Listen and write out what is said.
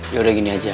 ya udah gini aja